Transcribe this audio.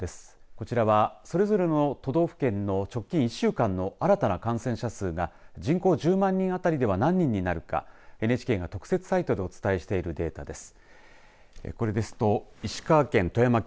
こちらはそれぞれの都道府県の直近１週間の新たな感染者数が人口１０万人当たりでは何人になるかＮＨＫが特設サイトでお伝えしているデータです。